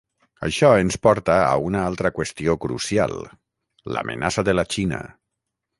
Això ens porta a una altra qüestió crucial: l’amenaça de la Xina.